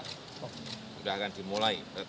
sudah akan dimulai